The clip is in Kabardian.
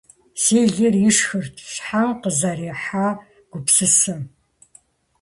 Си лыр ишхырт щхьэм къизэрыхьа гупсысэм.